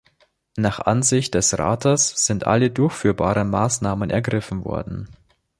Nach Ansicht des Rates sind alle durchführbaren Maßnahmen ergriffen worden.